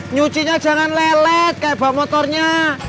nyucinya jangan lelet kayak bawa motornya